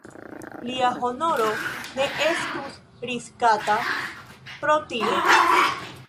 Lia honoro ne estus riskata pro tio.